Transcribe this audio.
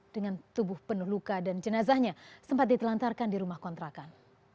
dengan tubuh penuh luka dan jenazahnya sempat ditelantarkan di rumah kontrakan